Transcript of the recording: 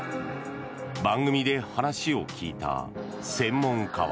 番組で話を聞いた専門家は。